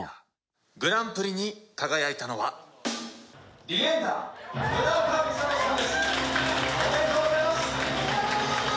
グランプリに輝いたのは、おめでとうございます。